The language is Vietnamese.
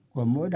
của mỗi đại biểu